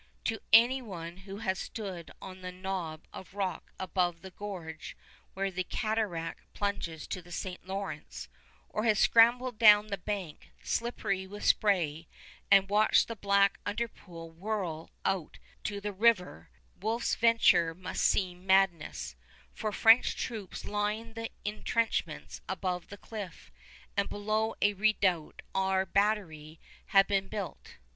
To any one who has stood on the knob of rock above the gorge where the cataract plunges to the St. Lawrence, or has scrambled down the bank slippery with spray, and watched the black underpool whirl out to the river, Wolfe's venture must seem madness; for French troops lined the intrenchments above the cliff, and below a redoubt or battery had been built.